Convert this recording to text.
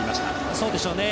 そうでしょうね。